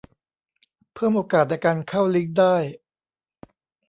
เพิ่มโอกาสในการเข้าลิงก์ได้